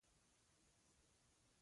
مچان د خلکو پر مټ کښېني